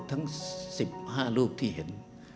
ทั้ง๑๕รูปที่เห็น